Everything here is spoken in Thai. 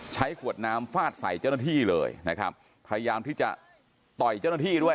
ใช้ขวดน้ำฟาดใส่เจ้าหน้าที่เลยนะครับพยายามที่จะต่อยเจ้าหน้าที่ด้วย